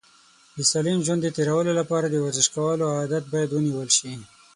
د سالم ژوند د تېرولو لپاره د ورزش کولو عادت باید ونیول شي.